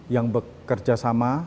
yang bekerja sama